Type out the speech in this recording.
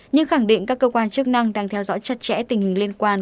nhưng khẳng định các cơ quan chức năng đang theo dõi chặt chẽ tình hình liên quan